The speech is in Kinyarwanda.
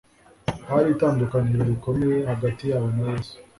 Hari itandukaniro rikomeye hagati yabo na Yesu